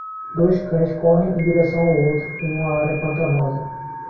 Dois cães correm em direção ao outro em uma área pantanosa.